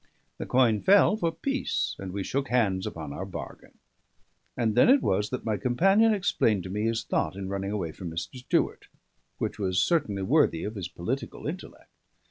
The coin fell for peace, and we shook hands upon our bargain. And then it was that my companion explained to me his thought in running away from Mr. Stewart, which was certainly worthy of his political intellect.